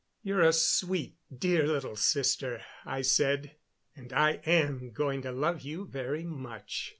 "You're a sweet, dear little sister," I said, "and I am going to love you very much."